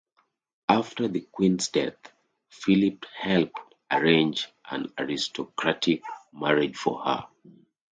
After the queen's death, Philip helped arrange an aristocratic marriage for her.